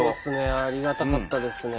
ありがたかったですね。